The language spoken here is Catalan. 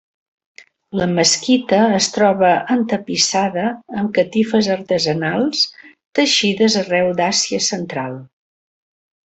La mesquita es troba entapissada amb catifes artesanals teixides arreu de l'Àsia central.